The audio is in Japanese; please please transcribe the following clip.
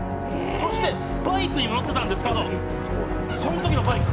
「そしてバイクに乗ってたんですけどその時のバイク。